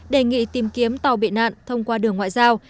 đề nghị tìm kiếm tàu bị nạn thông qua đường ngoại giao